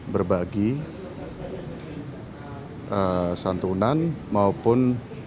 berbagi santunan maupun